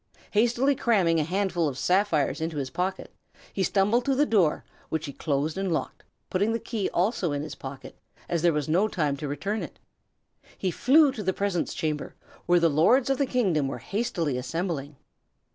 Hastily cramming a handful of sapphires into his pocket, he stumbled to the door, which he closed and locked, putting the key also in his pocket, as there was no time to return it. He flew to the presence chamber, where the lords of the kingdom were hastily assembling.